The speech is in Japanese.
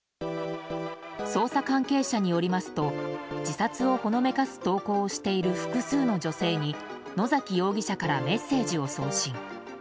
捜査関係者によりますと自殺をほのめかす投稿をしている複数の女性に野崎容疑者からメッセージを送信。